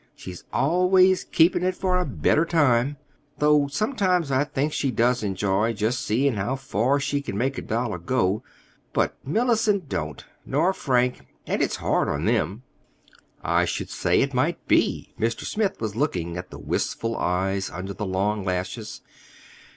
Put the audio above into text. She's always keeping it for a better time. Though sometimes I think she does enjoy just seeing how far she can make a dollar go. But Mellicent don't, nor Frank; and it's hard on them." "I should say it might be." Mr. Smith was looking at the wistful eyes under the long lashes.